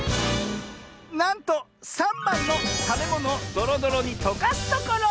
なんと３ばんの「たべものをどろどろにとかすところ」！